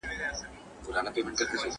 زه د خاموش ځایونو مطالعه خوښوم.